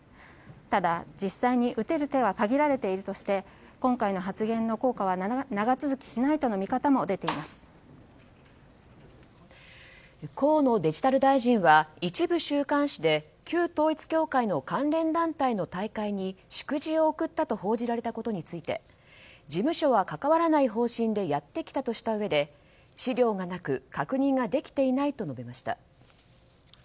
ただ、実際に打てる手は限られているとして今回の発言の効果は長続きしないとの見方も河野デジタル大臣は一部週刊誌で旧統一教会の関連団体の大会に祝辞を送ったと報じられたことについて事務所は関わらない方針でやってきたとしたうえで資料がなく確認ができていないと述べました。